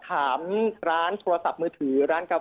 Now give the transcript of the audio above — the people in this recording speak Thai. ตอนนี้ยังไม่ได้นะครับ